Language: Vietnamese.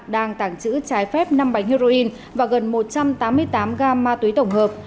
đang tàng trữ trái phép năm bánh heroin và gần một trăm tám mươi tám gam ma túy tổng hợp